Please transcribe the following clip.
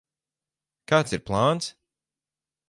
Kāds ir plāns?